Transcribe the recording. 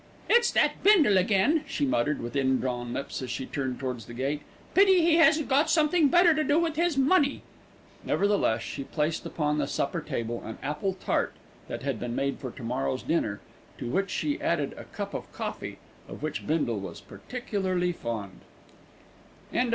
"It's that Bindle again," she muttered with indrawn lips as she turned towards the gate. "Pity he hasn't got something better to do with his money." Nevertheless she placed upon the supper table an apple tart that had been made for to morrow's dinner, to which she added a cup of coffee, of which Bindle was particularly fond.